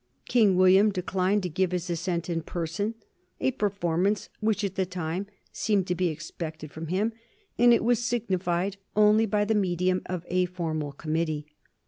King William declined to give his assent in person, a performance which, at the time, seemed to be expected from him, and it was signified only by the medium of a formal committee.